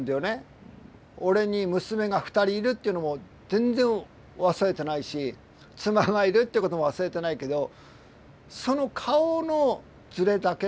俺に娘が２人いるっていうのも全然忘れてないし妻がいるってことも忘れてないけどその顔のズレだけなんだよね。